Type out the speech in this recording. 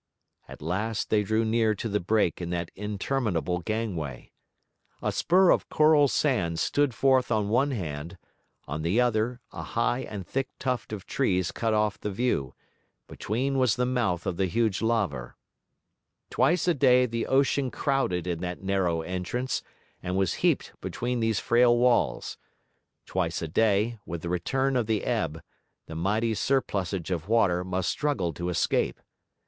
At last they drew near to the break in that interminable gangway. A spur of coral sand stood forth on the one hand; on the other a high and thick tuft of trees cut off the view; between was the mouth of the huge laver. Twice a day the ocean crowded in that narrow entrance and was heaped between these frail walls; twice a day, with the return of the ebb, the mighty surplusage of water must struggle to escape.